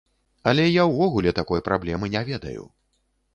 Але я ўвогуле такой праблемы не ведаю.